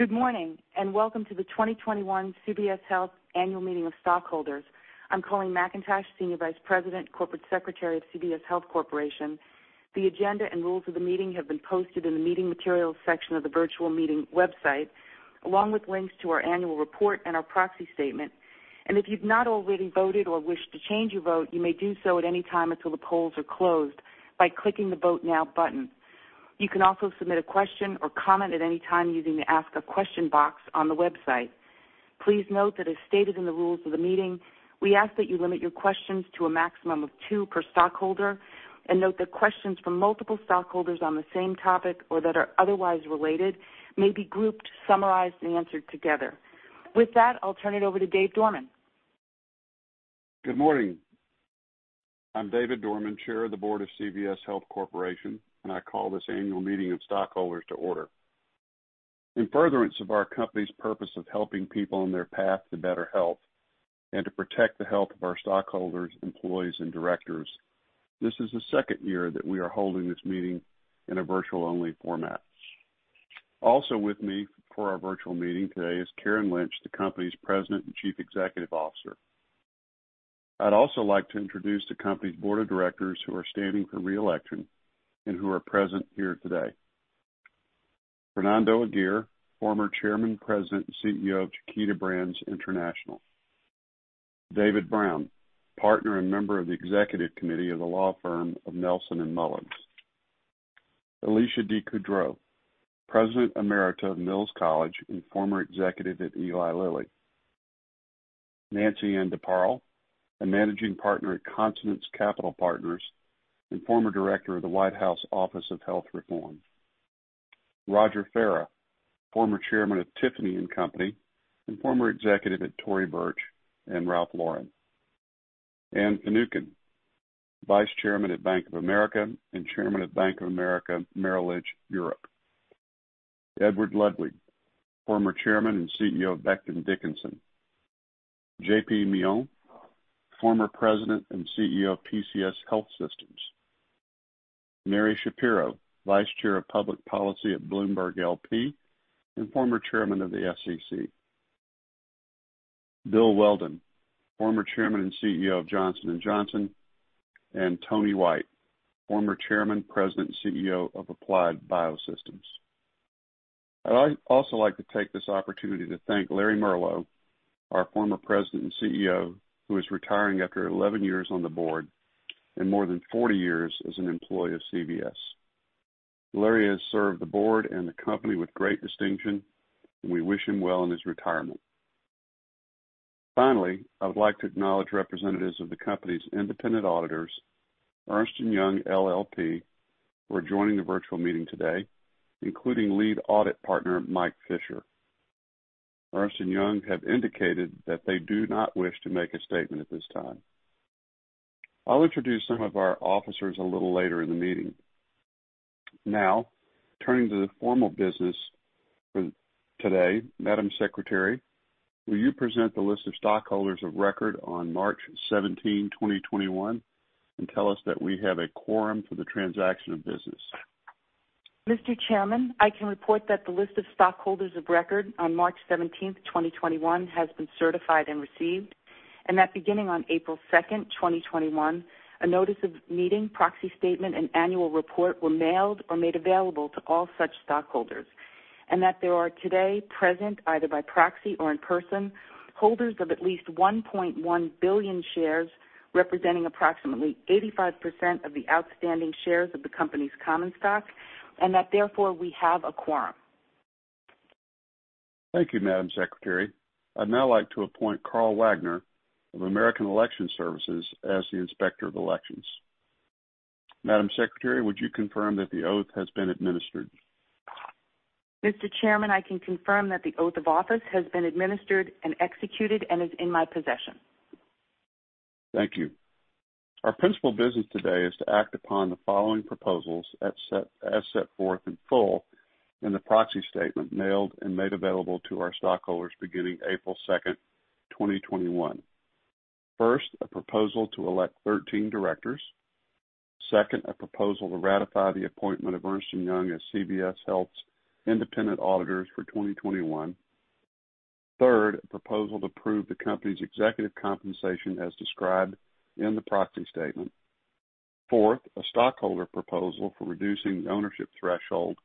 Good morning, welcome to the 2021 CVS Health Annual Meeting of Stockholders. I'm Colleen McIntosh, Senior Vice President, Corporate Secretary of CVS Health Corporation. The agenda and rules of the meeting have been posted in the meeting materials section of the virtual meeting website, along with links to our annual report and our proxy statement. If you've not already voted or wish to change your vote, you may do so at any time until the polls are closed by clicking the Vote Now button. You can also submit a question or comment at any time using the Ask a Question box on the website. Please note that as stated in the rules of the meeting, we ask that you limit your questions to a maximum of two per stockholder, and note that questions from multiple stockholders on the same topic or that are otherwise related may be grouped, summarized, and answered together. With that, I'll turn it over to David Dorman. Good morning. I'm David Dorman, Chair of the Board of CVS Health Corporation, and I call this annual meeting of stockholders to order. In furtherance of our company's purpose of helping people on their path to better health and to protect the health of our stockholders, employees, and directors, this is the second year that we are holding this meeting in a virtual-only format. Also with me for our virtual meeting today is Karen Lynch, the company's President and Chief Executive Officer. I'd also like to introduce the company's board of directors who are standing for re-election and who are present here today. Fernando Aguirre, former Chairman, President, and CEO of Chiquita Brands International. C. David Brown II, Partner and member of the Executive Committee of the law firm of Nelson Mullins. Alecia A. DeCoudreaux, President Emerita of Mills College and former executive at Eli Lilly. Nancy-Ann DeParle, a Managing Partner at Consonance Capital Partners and former Director of the White House Office of Health Reform. Roger Farah, former Chairman of Tiffany & Co. and former Executive at Tory Burch and Ralph Lauren. Anne Finucane, Vice Chairman at Bank of America and Chairman at Bank of America Merrill Lynch Europe. Edward Ludwig, former Chairman and CEO of Becton Dickinson. Jean-Pierre Millon, former President and CEO of PCS Health Systems. Mary Schapiro, Vice Chair of Public Policy at Bloomberg LP and former Chairman of the SEC. Bill Weldon, former Chairman and CEO of Johnson & Johnson. Tony White, former Chairman, President, and CEO of Applied Biosystems. I'd also like to take this opportunity to thank Larry Merlo, our former President and CEO, who is retiring after 11 years on the board and more than 40 years as an employee of CVS. Larry has served the board and the company with great distinction, and we wish him well in his retirement. Finally, I would like to acknowledge representatives of the company's independent auditors, Ernst & Young LLP, for joining the virtual meeting today, including Lead Audit Partner Mike Fisher. Ernst & Young have indicated that they do not wish to make a statement at this time. I'll introduce some of our officers a little later in the meeting. Turning to the formal business for today. Madam Secretary, will you present the list of stockholders of record on March 17, 2021 and tell us that we have a quorum for the transaction of business? Mr. Chairman, I can report that the list of stockholders of record on March 17, 2021 has been certified and received, and that beginning on April 2nd, 2021, a notice of meeting, proxy statement, and annual report were mailed or made available to all such stockholders, and that there are today present, either by proxy or in person, holders of at least 1.1 billion shares, representing approximately 85% of the outstanding shares of the company's common stock, and that therefore, we have a quorum. Thank you, Madam Secretary. I'd now like to appoint Carl Wagner of American Election Services as the Inspector of Elections. Madam Secretary, would you confirm that the oath has been administered? Mr. Chairman, I can confirm that the oath of office has been administered and executed and is in my possession. Thank you. Our principal business today is to act upon the following proposals as set forth in full in the proxy statement mailed and made available to our stockholders beginning April 2nd, 2021. First, a proposal to elect 13 directors. Second, a proposal to ratify the appointment of Ernst & Young as CVS Health's independent auditors for 2021. Third, a proposal to approve the company's executive compensation as described in the proxy statement. Fourth, a stockholder proposal for reducing the ownership threshold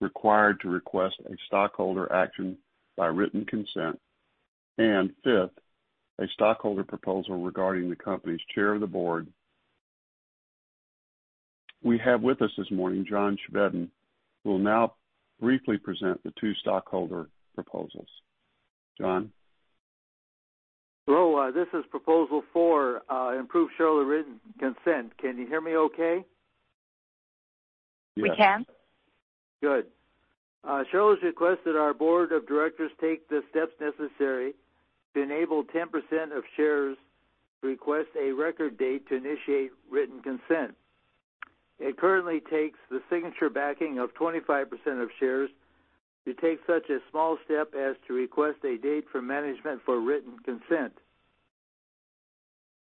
required to request a stockholder action by written consent. Fifth, a stockholder proposal regarding the company's Chair of the Board. We have with us this morning John Chevedden, who will now briefly present the two stockholder proposals. John? Hello, this is proposal four, improve shareholder written consent. Can you hear me okay? Yes. We can. Good. Shareholders request that our board of directors take the steps necessary to enable 10% of shares to request a record date to initiate written consent. It currently takes the signature backing of 25% of shares to take such a small step as to request a date from management for written consent.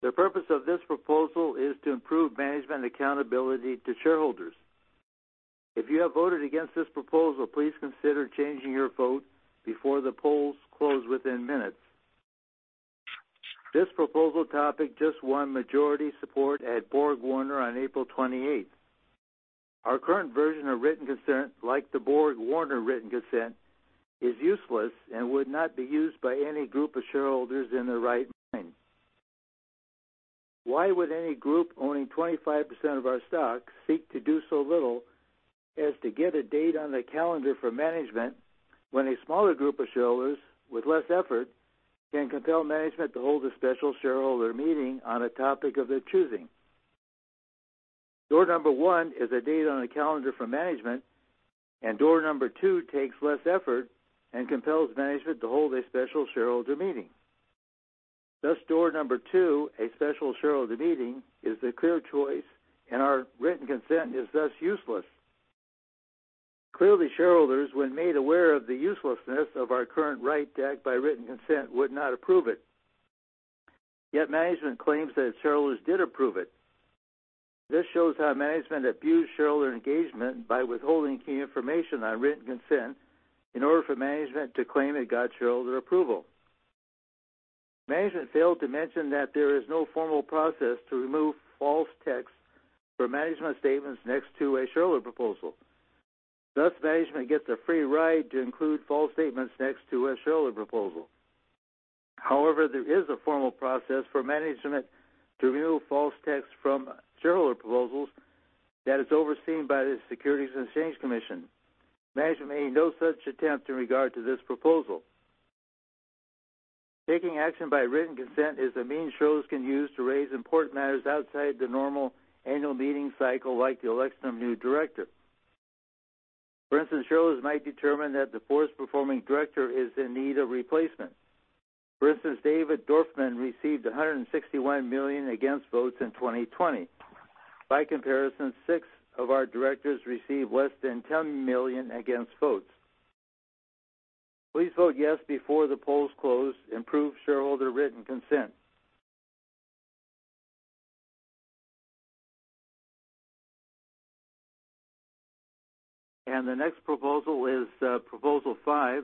The purpose of this proposal is to improve management accountability to shareholders. If you have voted against this proposal, please consider changing your vote before the polls close within minutes. This proposal topic just won majority support at BorgWarner on April 28th. Our current version of written consent, like the BorgWarner written consent, is useless and would not be used by any group of shareholders in their right mind. Why would any group owning 25% of our stock seek to do so little as to get a date on the calendar for management when a smaller group of shareholders with less effort can compel management to hold a special shareholder meeting on a topic of their choosing? Door number 1 is a date on the calendar for management, and door number 2 takes less effort and compels management to hold a special shareholder meeting. Thus, door number two, a special shareholder meeting, is the clear choice, and our written consent is thus useless. Clearly, shareholders, when made aware of the uselessness of our current right to act by written consent, would not approve it. Yet management claims that shareholders did approve it. This shows how management abused shareholder engagement by withholding key information on written consent in order for management to claim it got shareholder approval. Management failed to mention that there is no formal process to remove false text for management statements next to a shareholder proposal. Management gets a free ride to include false statements next to a shareholder proposal. There is a formal process for management to remove false text from shareholder proposals that is overseen by the Securities and Exchange Commission. Management made no such attempt in regard to this proposal. Taking action by written consent is a means shareholders can use to raise important matters outside the normal annual meeting cycle, like the election of new director. Shareholders might determine that the poorest-performing director is in need of replacement. David Dorman received 161 million against votes in 2020. By comparison, six of our directors received less than 10 million against votes. Please vote yes before the polls close. Improve shareholder written consent. The next proposal is proposal five,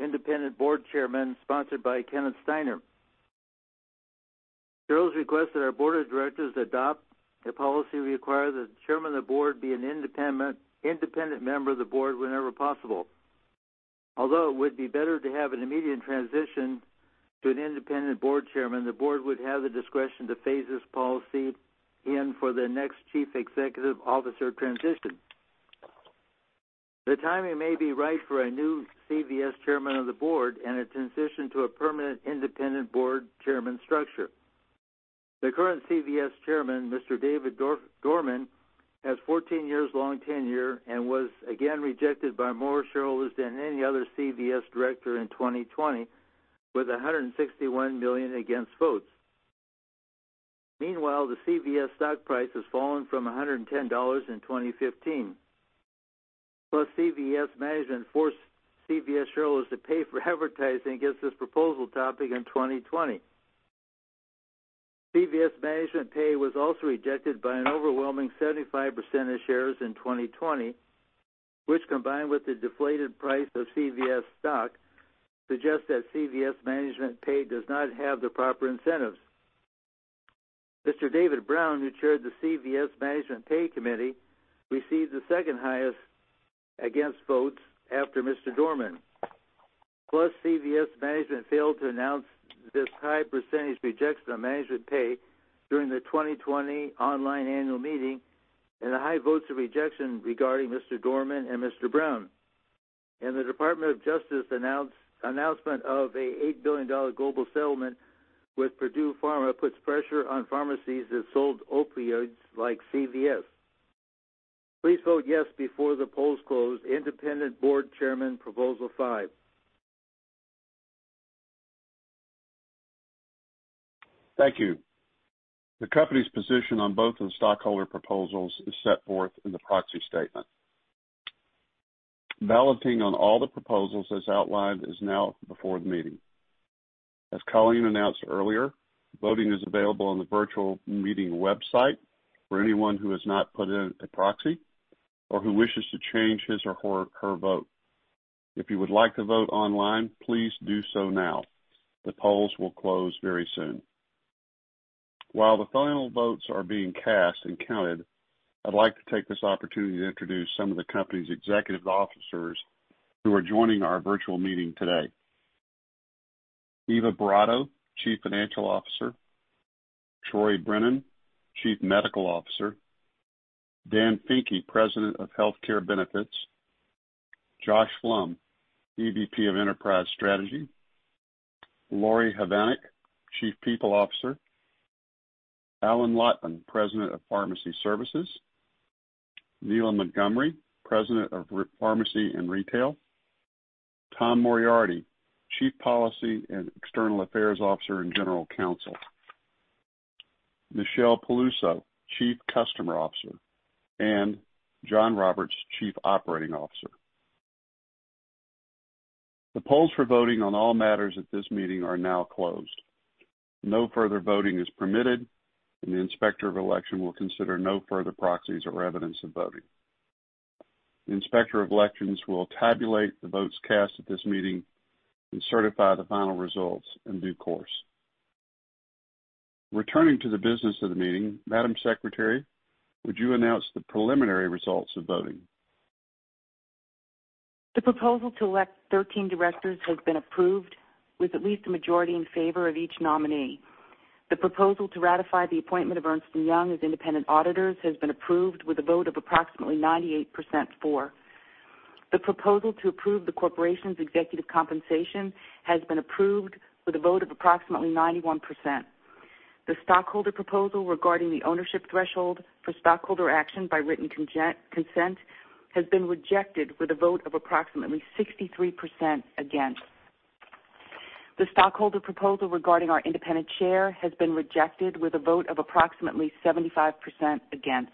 independent board chairman, sponsored by Kenneth Steiner. Shareholders request that our board of directors adopt a policy requiring that the chairman of the board be an independent member of the board whenever possible. Although it would be better to have an immediate transition to an independent board chairman, the board would have the discretion to phase this policy in for the next chief executive officer transition. The timing may be right for a new CVS chairman of the board and a transition to a permanent independent board chairman structure. The current CVS chairman, Mr. David Dorman, has 14 years long tenure and was again rejected by more shareholders than any other CVS director in 2020, with 161 million against votes. Meanwhile, the CVS stock price has fallen from $110 in 2015. CVS management forced CVS shareholders to pay for advertising against this proposal topic in 2020. CVS management pay was also rejected by an overwhelming 75% of shares in 2020, which, combined with the deflated price of CVS stock, suggests that CVS management pay does not have the proper incentives. Mr. C. David Brown II, who chaired the CVS Management Pay Committee, received the second highest against votes after Mr. David W. Dorman. CVS management failed to announce this high percentage rejection of management pay during the 2020 online annual meeting and the high votes of rejection regarding Mr. David W. Dorman and Mr. C. David Brown II. The Department of Justice announcement of a $8 billion global settlement with Purdue Pharma puts pressure on pharmacies that sold opioids like CVS. Please vote yes before the polls close. Independent board chairman, proposal five. Thank you. The company's position on both of the stockholder proposals is set forth in the proxy statement. Balloting on all the proposals as outlined is now before the meeting. As Colleen McIntosh announced earlier, voting is available on the virtual meeting website for anyone who has not put in a proxy or who wishes to change his or her vote. If you would like to vote online, please do so now. The polls will close very soon. While the final votes are being cast and counted, I'd like to take this opportunity to introduce some of the company's executive officers who are joining our virtual meeting today. Eva Boratto, Chief Financial Officer. Troyen A. Brennan, Chief Medical Officer. Daniel Finke, President of Healthcare Benefits. Josh Flum, EVP of Enterprise Strategy. Laurie Havanec, Chief People Officer. Alan Lotvin, President of Pharmacy Services. Neela Montgomery, President of Pharmacy and Retail. Tom Moriarty, Chief Policy and External Affairs Officer and General Counsel. Michelle Peluso, Chief Customer Officer, and Jon Roberts, Chief Operating Officer. The polls for voting on all matters at this meeting are now closed. No further voting is permitted. The Inspector of Elections will consider no further proxies or evidence of voting. The Inspector of Elections will tabulate the votes cast at this meeting and certify the final results in due course. Returning to the business of the meeting, Madam Secretary, would you announce the preliminary results of voting? The proposal to elect 13 directors has been approved, with at least a majority in favor of each nominee. The proposal to ratify the appointment of Ernst & Young as independent auditors has been approved with a vote of approximately 98% for. The proposal to approve the corporation's executive compensation has been approved with a vote of approximately 91%. The stockholder proposal regarding the ownership threshold for stockholder action by written consent has been rejected with a vote of approximately 63% against. The stockholder proposal regarding our independent chair has been rejected with a vote of approximately 75% against.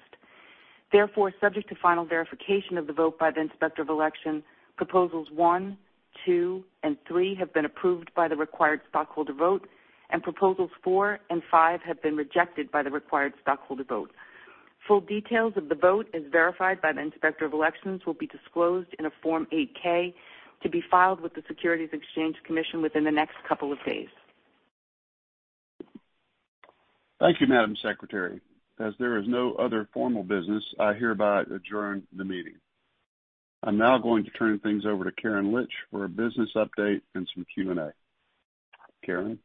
Subject to final verification of the vote by the Inspector of Elections, proposals one, two, and three have been approved by the required stockholder vote, and proposals four and five have been rejected by the required stockholder vote. Full details of the vote, as verified by the Inspector of Elections, will be disclosed in a Form 8-K to be filed with the Securities and Exchange Commission within the next couple of days. Thank you, Madam Secretary. As there is no other formal business, I hereby adjourn the meeting. I'm now going to turn things over to Karen Lynch for a business update and some Q&A. Karen?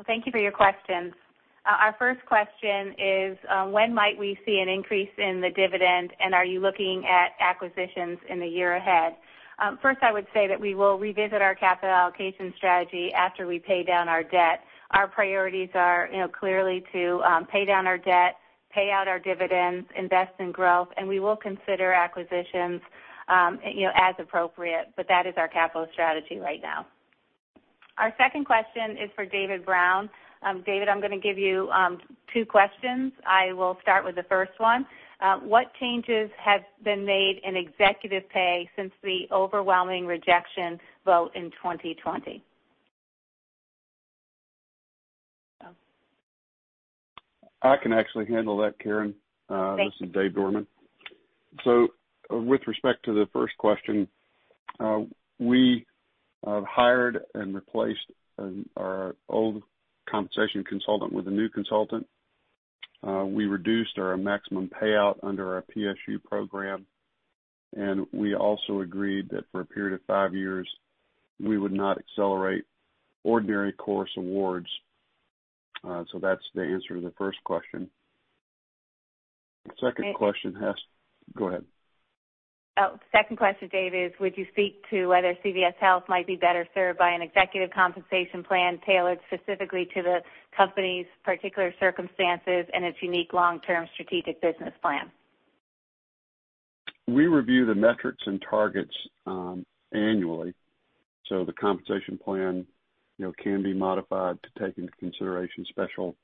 Well, thank you for your questions. Our first question is: when might we see an increase in the dividend, and are you looking at acquisitions in the year ahead? First, I would say that we will revisit our capital allocation strategy after we pay down our debt. Our priorities are clearly to pay down our debt, pay out our dividends, invest in growth, and we will consider acquisitions as appropriate, but that is our capital strategy right now. Our second question is for David Brown. David, I'm going to give you two questions. I will start with the first one. What changes have been made in executive pay since the overwhelming rejection vote in 2020? I can actually handle that, Karen. Thanks. This is David Dorman. With respect to the first question, we hired and replaced our old compensation consultant with a new consultant. We reduced our maximum payout under our PSU program, and we also agreed that for a period of five years, we would not accelerate ordinary course awards. That's the answer to the first question. Okay. The second question asks. Go ahead. Oh, second question, David, is would you speak to whether CVS Health might be better served by an executive compensation plan tailored specifically to the company's particular circumstances and its unique long-term strategic business plan? We review the metrics and targets annually, so the compensation plan can be modified to take into consideration special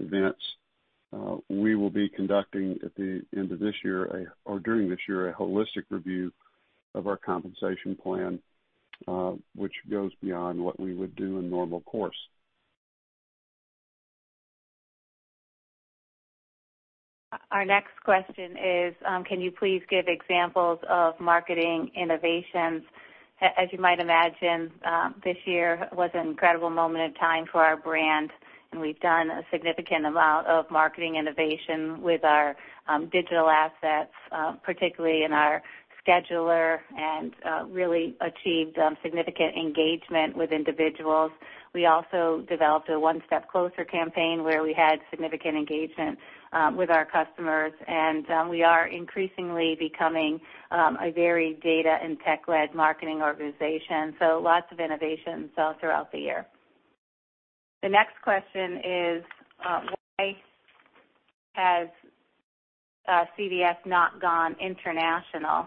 events. We will be conducting, at the end of this year, or during this year, a holistic review of our compensation plan, which goes beyond what we would do in normal course. Our next question is: can you please give examples of marketing innovations? As you might imagine, this year was an incredible moment in time for our brand, and we've done a significant amount of marketing innovation with our digital assets, particularly in our scheduler, and really achieved significant engagement with individuals. We also developed a One Step Closer campaign where we had significant engagement with our customers, and we are increasingly becoming a very data and tech-led marketing organization, so lots of innovations all throughout the year. The next question is: why has CVS not gone international?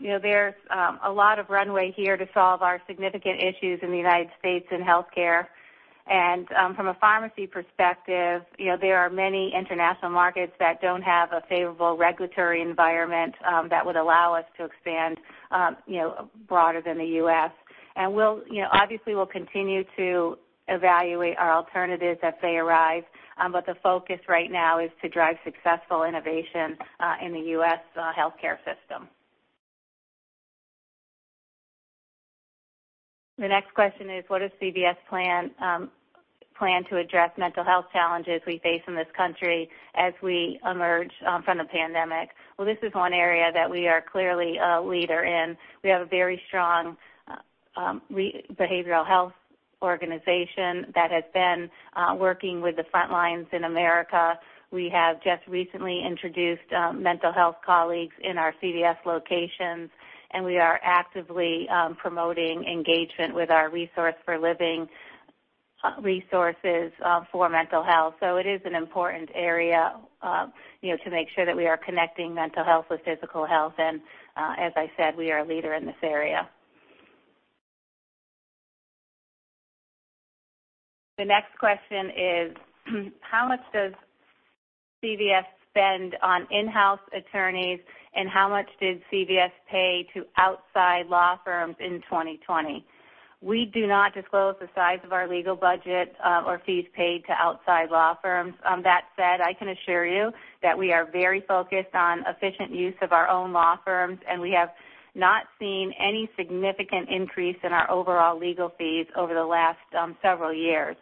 There's a lot of runway here to solve our significant issues in the United States in healthcare. From a pharmacy perspective, there are many international markets that don't have a favorable regulatory environment that would allow us to expand broader than the U.S. Obviously, we'll continue to evaluate our alternatives as they arrive. The focus right now is to drive successful innovation in the U.S. healthcare system. The next question is: what does CVS plan to address mental health challenges we face in this country as we emerge from the pandemic? Well, this is one area that we are clearly a leader in. We have a very strong behavioral health organization that has been working with the frontlines in America. We have just recently introduced mental health colleagues in our CVS locations, and we are actively promoting engagement with our Resources for Living resources for mental health. It is an important area to make sure that we are connecting mental health with physical health, and, as I said, we are a leader in this area. The next question is: how much does CVS spend on in-house attorneys, and how much did CVS pay to outside law firms in 2020? We do not disclose the size of our legal budget or fees paid to outside law firms. That said, I can assure you that we are very focused on efficient use of our own law firms, and we have not seen any significant increase in our overall legal fees over the last several years.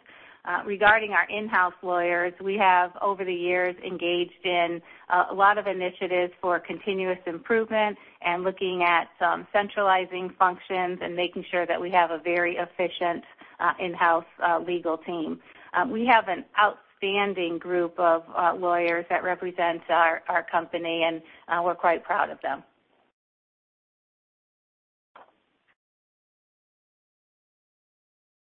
Regarding our in-house lawyers, we have, over the years, engaged in a lot of initiatives for continuous improvement and looking at centralizing functions and making sure that we have a very efficient in-house legal team. We have an outstanding group of lawyers that represent our company, and we're quite proud of them.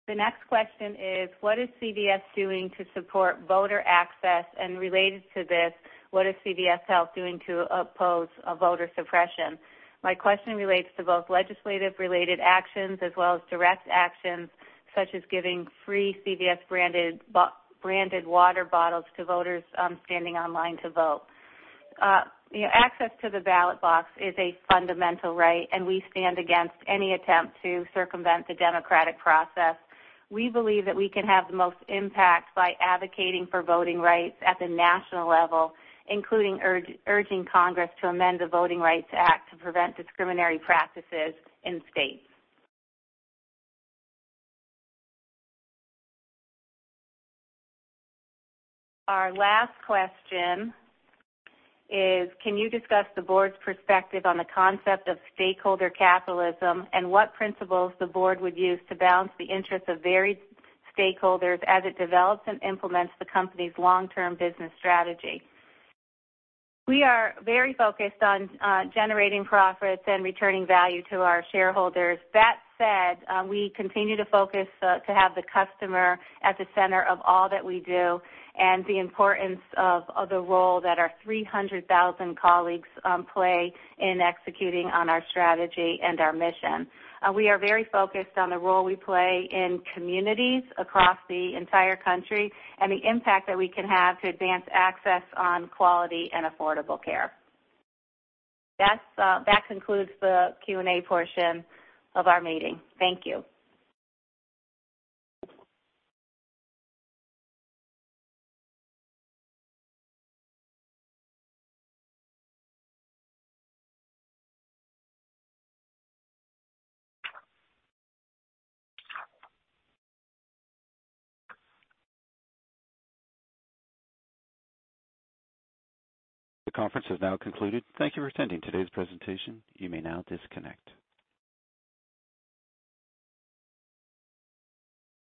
The next question is: what is CVS doing to support voter access? Related to this, what is CVS Health doing to oppose voter suppression? My question relates to both legislative-related actions as well as direct actions, such as giving free CVS-branded water bottles to voters standing online to vote. Access to the ballot box is a fundamental right, and we stand against any attempt to circumvent the democratic process. We believe that we can have the most impact by advocating for voting rights at the national level, including urging Congress to amend the Voting Rights Act to prevent discriminatory practices in states. Our last question is: can you discuss the board's perspective on the concept of stakeholder capitalism and what principles the board would use to balance the interests of varied stakeholders as it develops and implements the company's long-term business strategy? We are very focused on generating profits and returning value to our shareholders. We continue to focus to have the customer at the center of all that we do and the importance of the role that our 300,000 colleagues play in executing on our strategy and our mission. We are very focused on the role we play in communities across the entire country and the impact that we can have to advance access on quality and affordable care. That concludes the Q&A portion of our meeting. Thank you. The conference has now concluded. Thank you for attending today's presentation. You may now disconnect.